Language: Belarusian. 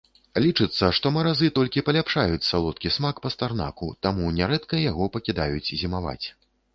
Лічыцца, што маразы толькі паляпшаюць салодкі смак пастарнаку, таму нярэдка яго пакідаюць зімаваць.